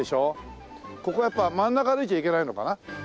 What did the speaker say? ここやっぱ真ん中歩いちゃいけないのかな？